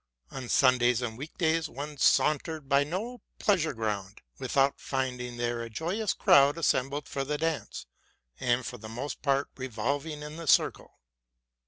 On Sundays and week days one sauntered by no pleas ure ground without finding there a joyous crowd assembled for the dance, and for the most part revolving in the circle.